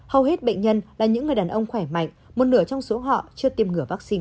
hầu hết bệnh nhân là những người đàn ông khỏe mạnh một nửa trong số họ chưa tiêm ngừa vaccine